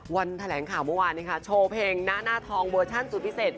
วันแถลงข่าวเมื่อวานนี้ค่ะโชว์เพลงหน้าทองเวอร์ชันสุดพิเศษ